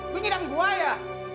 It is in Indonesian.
lu tidak buat ya